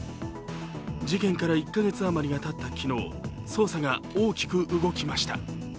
事件から１か月あまりがたった昨日、捜査が大きく動きました。